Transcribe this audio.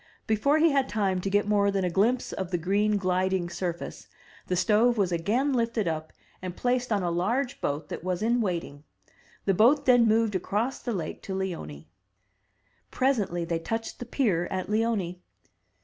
Before he had time to get more than a glimpse of the green gUding surface, the stove was again lifted up and placed on a large boat 306 THE TREASURE CHEST that was in waiting. The boat then moved across the lake to Leoni. Presently they touched the pier at Leoni.